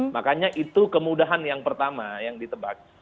makanya itu kemudahan yang pertama yang ditebak